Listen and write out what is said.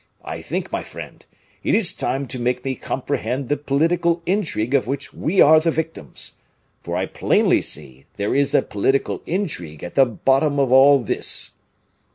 I think, my friend, it is time to make me comprehend the political intrigue of which we are the victims for I plainly see there is a political intrigue at the bottom of all this."